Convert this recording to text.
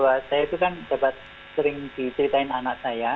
jadi intinya saya itu kan dapat sering diceritain anak saya